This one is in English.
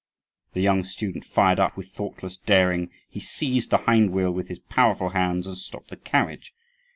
The young student fired up; with thoughtless daring he seized the hind wheel with his powerful hands and stopped the carriage.